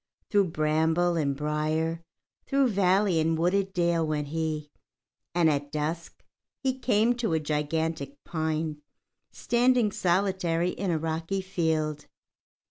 Through bramble and brier, through valley and wooded dale went he, and at dusk he came to a gigantic pine standing solitary in a rocky field.